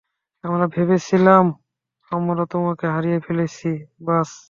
আমি ভেবেছিলাম, আমরা তোমাকে হারিয়ে ফেলেছি, বায!